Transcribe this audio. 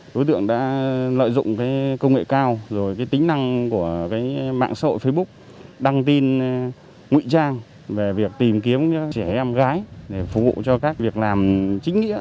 đối tượng đã lợi dụng công nghệ cao rồi tính năng của mạng xã hội facebook đăng tin ngụy trang về việc tìm kiếm trẻ em gái để phục vụ cho các việc làm chính nghĩa